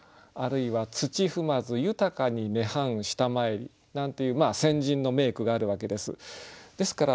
あるいは「土不踏ゆたかに涅槃し給へり」なんていう先人の名句があるわけです。